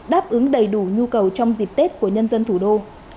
đáp ứng đầy đủ nhu cầu trong dịp tết của nhân dân thủ đô